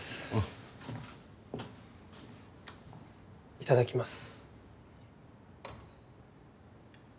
いただきます。